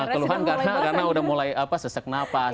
keluhan karena sudah mulai sesek napas